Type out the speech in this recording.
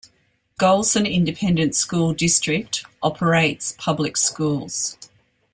Gholson Independent School District operates public schools.